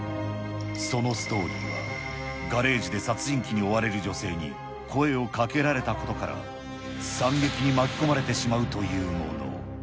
そのストーリーは、ガレージで殺人鬼に追われる女性に声をかけられたことから、惨劇に巻き込まれてしまうというもの。